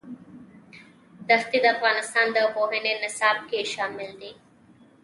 دښتې د افغانستان د پوهنې نصاب کې شامل دي.